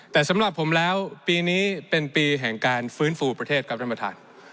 แต่สำหรับผมแล้วปีนี้เป็นปีแห่งการฟื้นฟูประเทศครับท่านประธาน